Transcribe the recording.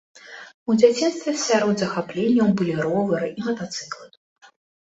У дзяцінстве сярод захапленняў былі ровары і матацыклы.